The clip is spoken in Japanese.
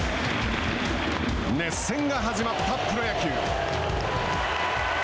熱戦が始まったプロ野球。